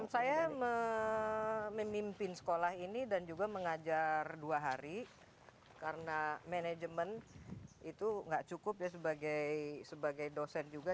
saya memimpin sekolah ini dan juga mengajar dua hari karena manajemen itu nggak cukup ya sebagai dosen juga